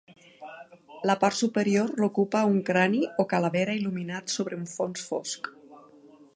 La part superior l'ocupa un crani o calavera, il·luminat sobre un fons fosc.